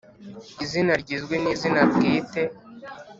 Izina rigizwe n izina bwite